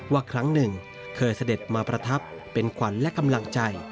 ครั้งหนึ่งเคยเสด็จมาประทับเป็นขวัญและกำลังใจ